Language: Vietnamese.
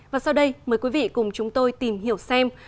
và sau đây mời quý vị cùng chúng tôi tìm hiểu xem